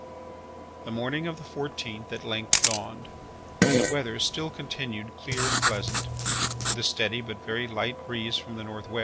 The morning of the fourteenth at length dawned, and the weather still continued clear and pleasant, with a steady but very light breeze from the N. W.